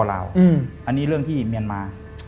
อันนี้เรื่องที่เมียนมา